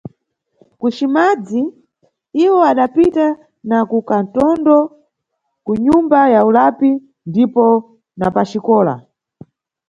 KuCimadzi, iwo adapita na kukantondo, kunyumba ya ulapi ndipo na paxikola.